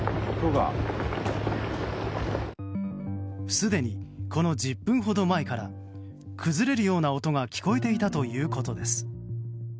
すでに、この１０分ほど前から崩れるような音が聞こえていたということです。